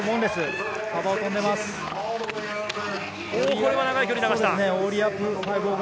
これは長い距離を流した。